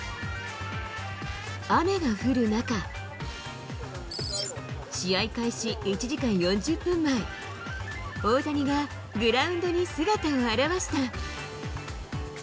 雨が降る中、試合開始１時間４０分前、大谷がグラウンドに姿を現した。